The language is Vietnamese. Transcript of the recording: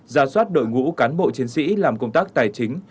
ra soát đội ngũ cán bộ chiến sĩ làm công tác tài chính